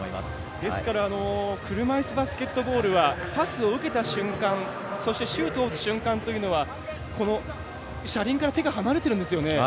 ですから車いすバスケットボールはパスを受けた瞬間シュートを打つ瞬間というのはこの車輪から手が離れてるんですよね。